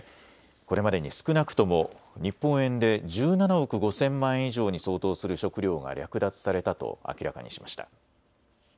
これまでに少なくとも日本円で１７億５０００万円以上に相当する食料が略奪されたと明らかにしました。